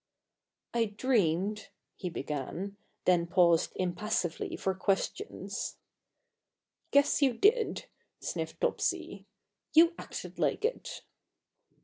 "I dreamed " he began; then paused impassively for questions. "Guess you did," sniffed Topsy. "You acted like it!"